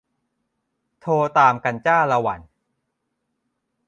โทร.ตามกันจ้าละหวั่น